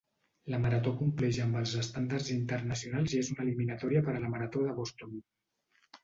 La marató compleix amb els estàndards internacionals i és una eliminatòria per a la marató de Boston.